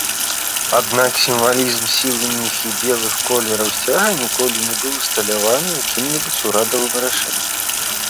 Аднак сімвалізм сініх і белых колераў сцяга ніколі не быў усталяваны якім-небудзь урадавым рашэннем.